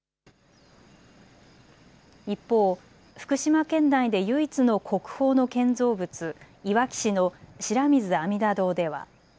一方、福島県内で唯一の国宝の建造物、いわき市の白水阿弥陀堂では。